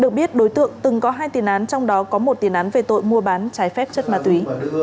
được biết đối tượng từng có hai tiền án trong đó có một tiền án về tội mua bán trái phép chất ma túy